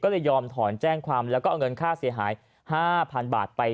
ก็เลยยอมถอนแจ้งความแล้วก็เอาเงินค่าเสียหาย๕๐๐๐บาทไป